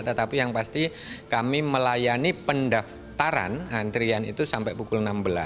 tetapi yang pasti kami melayani pendaftaran antrian itu sampai pukul enam belas